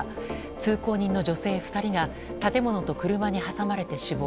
通行人の女性２人が建物と車に挟まれて死亡。